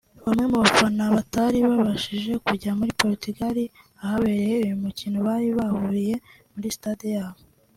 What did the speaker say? Bamwe mu bafana batari babashije kujya muri Portugal ahabereye uyu mukino bari bahuriye muri stade yabo